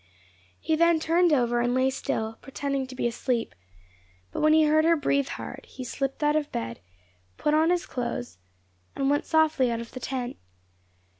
He then turned over, and lay still, pretending to be asleep; but when he heard her breathe hard, he slipped out of bed, put on his clothes, and went softly out of the tent.